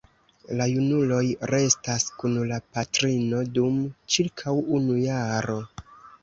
La junuloj restas kun la patrino dum ĉirkaŭ unu jaro.